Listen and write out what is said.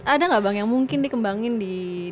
ada gak bang yang mungkin dikembangin di sana